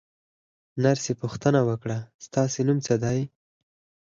نرسې پوښتنه وکړه: ستاسې نوم څه دی؟